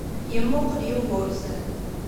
Yemmuqel Yugurten.